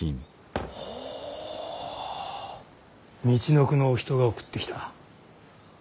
みちのくのお人が送ってきた。